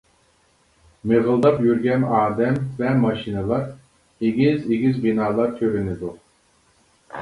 مىغىلداپ يۈرگەن ئادەم ۋە ماشىنىلار، ئېگىز-ئېگىز بىنالار كۆرۈنىدۇ.